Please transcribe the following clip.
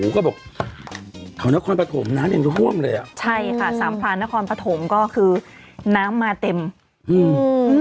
ก็บอกแถวนครปฐมน้ำยังท่วมเลยอ่ะใช่ค่ะสามพรานนครปฐมก็คือน้ำมาเต็มอืม